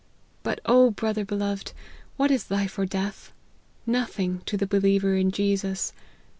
But, O brother beloved ! what is life or death ? Nothing, to the believer in Jesus.